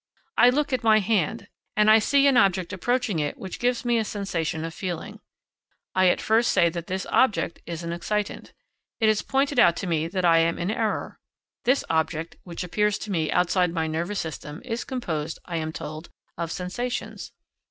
I look at my hand, and I see an object approaching it which gives me a sensation of feeling. I at first say that this object is an excitant. It is pointed out to me that I am in error. This object, which appears to me outside my nervous system, is composed, I am told, of sensations.